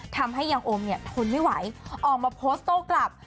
ทำให้ยางโอมทนไม่ไหวออกมาโพสต์โต๊ะกลับ